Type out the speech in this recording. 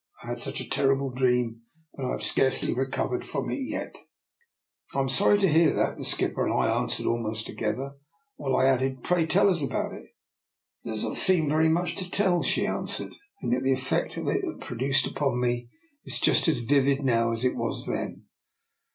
I had such a terrible dream that I have scarcely recovered from it yet." " I am sorry to hear that/' the skipper and I answered almost together, while I add ed, " Pray tell us about it." " It does not seem very much to tell," she answered, " and yet the effect it produced upon me is just as vivid now as it was then.